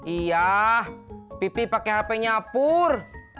iya pipi pakai hpnya pur